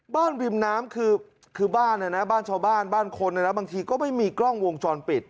ริมน้ำคือบ้านบ้านชาวบ้านบ้านคนบางทีก็ไม่มีกล้องวงจรปิด